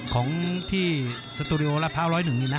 ของที่สตูดิโอละพร้าว๑๐๑นี่นะ